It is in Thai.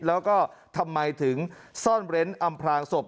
แล้วก็ทำไมถึงซ่อนเร้นอำพลางศพ